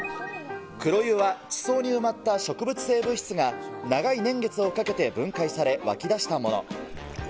黒湯は地層に埋まった植物性物質が、長い年月をかけて分解され、湧き出したもの。